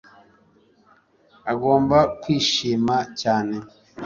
Agomba kwishima cyane